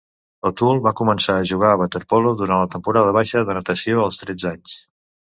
O'Toole va començar a jugar a waterpolo durant la temporada baixa de natació als tretze anys.